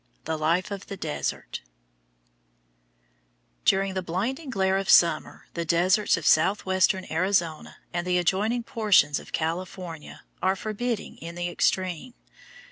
THE LIFE OF THE DESERT During the blinding glare of summer the deserts of southwestern Arizona and the adjoining portions of California are forbidding in the extreme.